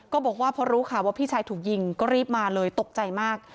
บอกว่าพอรู้ข่าวว่าพี่ชายถูกยิงก็รีบมาเลยตกใจมาก